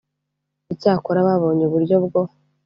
icyakora babonye uburyo bwo